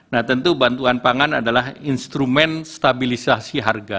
nah tentu bantuan pangan adalah instrumen stabilisasi harga